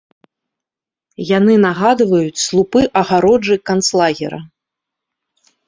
Яны нагадваюць слупы агароджы канцлагера.